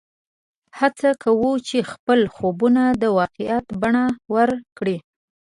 هڅه کوه چې خپل خوبونه د واقعیت بڼه ورکړې